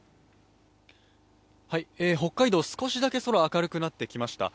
北海道、少しだけ空が明るくなってきました。